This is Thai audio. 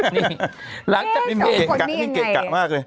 นี่หลังจากนี่มีเกลียดกะมากเลย